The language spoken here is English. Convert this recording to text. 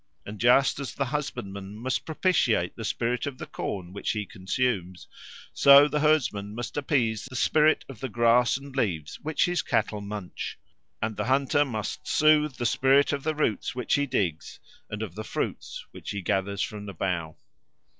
And just as the husband man must propitiate the spirit of the corn which he consumes, so the herdsman must appease the spirit of the grass and leaves which his cattle munch, and the hunter must soothe the spirit of the roots which he digs, and of the fruits which he gathers from the bough.